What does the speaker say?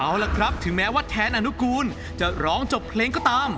โอเคถึงแม้ว่าแทนอนุกรูลจะร้องจบเพลงก็ตาม